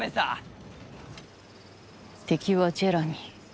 敵はジェラミー！